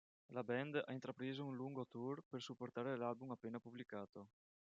La band ha intrapreso un lungo tour per supportare l'album appena pubblicato.